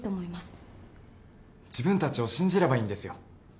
自分たちを信じればいいんですよ。